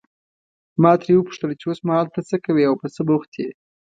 ما ترې وپوښتل چې اوسمهال ته څه کوې او په څه بوخت یې.